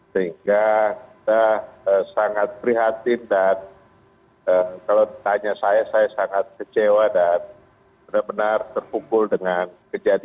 sehingga kita sangat prihatin dan kalau ditanya saya saya sangat kecewa dan benar benar terpukul dengan kejadian